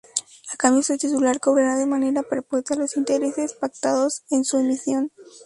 A cambio su titular cobrará de manera perpetua los intereses pactados en su emisión.